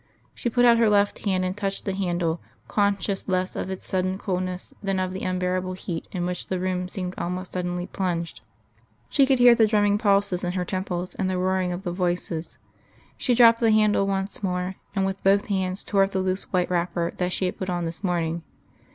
She put out her left hand and touched the handle, conscious less of its sudden coolness than of the unbearable heat in which the room seemed almost suddenly plunged. She could hear the drumming pulses in her temples and the roaring of the voices.... She dropped the handle once more, and with both hands tore at the loose white wrapper that she had put on this morning....